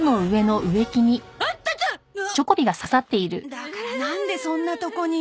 だからなんでそんなとこに。